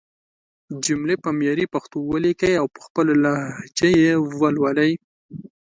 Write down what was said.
جملې په معياري پښتو وليکئ او په خپله لهجه يې ولولئ!